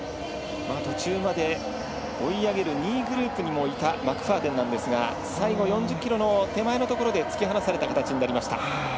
途中まで追い上げる２位グループにもいたマクファーデンなんですが最後４０ｋｍの手前のところで突き放された形になりました。